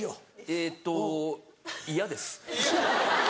えっと嫌です。